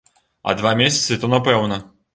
А два месяцы то напэўна.